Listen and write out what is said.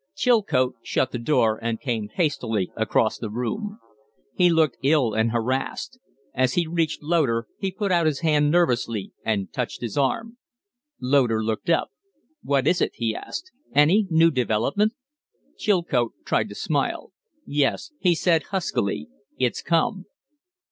Chilcote shut the door and came hastily across the room. He looked ill and harassed. As he reached Loder he put out his hand nervously and touched his arm. Loder looked up. "What is it?" he asked. "Any new development?" Chilcote tried to smile. "Yes," he said, huskily; "it's come."